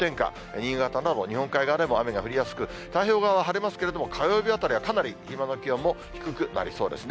新潟など、日本海側でも雨が降りやすく、太平洋側は晴れますけれども、火曜日あたりはかなり今の気温よりも低くなりそうですね。